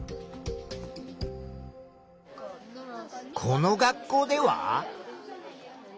この学校では？